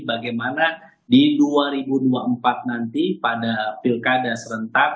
bagaimana di dua ribu dua puluh empat nanti pada pilkada serentak